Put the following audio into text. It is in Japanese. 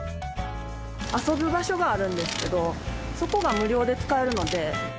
遊ぶ場所があるんですけど、そこが無料で使えるので。